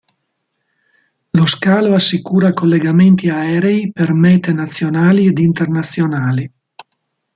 Lo scalo assicura collegamenti aerei per mete nazionali ed internazionali.